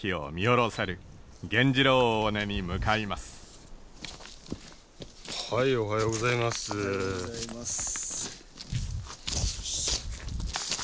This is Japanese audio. おはようございます。